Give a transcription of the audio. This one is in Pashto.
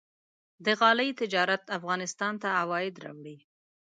د غالۍ تجارت افغانستان ته عواید راوړي.